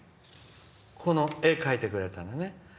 この絵を描いてくれた。